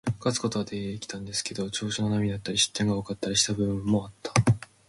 勝つことはできたんですけど、調子の波だったり、失点が多かったりした部分もあった。